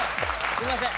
すいません。